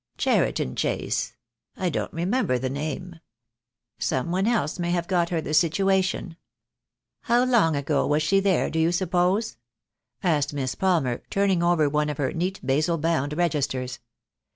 "Cheriton Chase! I don't remember the name. Some 16* 244 THE DAY WILL COME. one else may have got her the situation. How long ago was she there, do you suppose?" asked Miss Palmer, turning over one of her neat basil bound registers.